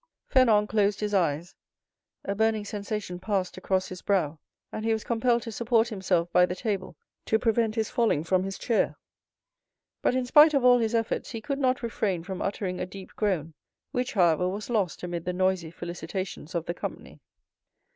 0069m Fernand closed his eyes, a burning sensation passed across his brow, and he was compelled to support himself by the table to prevent his falling from his chair; but in spite of all his efforts, he could not refrain from uttering a deep groan, which, however, was lost amid the noisy felicitations of the company.